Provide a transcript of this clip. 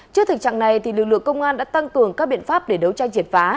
trước thực trạng này lực lượng công an đã tăng cường các biện pháp để đấu tranh triệt phá